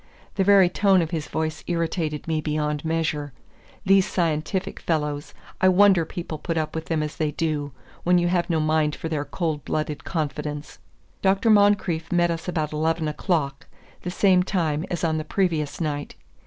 The very tone of his voice irritated me beyond measure. These scientific fellows, I wonder people put up with them as they do, when you have no mind for their cold blooded confidence. Dr. Moncrieff met us about eleven o'clock, the same time as on the previous night.